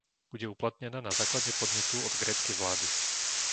Bude uplatnená na základe podnetu od gréckej vlády.